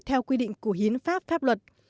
theo quy định của hiến pháp pháp luật